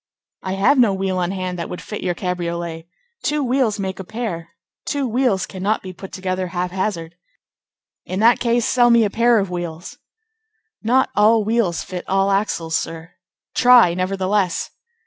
"I have no wheel on hand that would fit your cabriolet. Two wheels make a pair. Two wheels cannot be put together hap hazard." "In that case, sell me a pair of wheels." "Not all wheels fit all axles, sir." "Try, nevertheless."